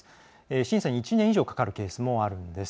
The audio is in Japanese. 審査に１年以上かかるケースもあるんです。